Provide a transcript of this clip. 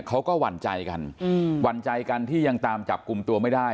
หวั่นใจกันหวั่นใจกันที่ยังตามจับกลุ่มตัวไม่ได้